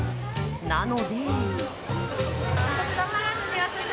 なので。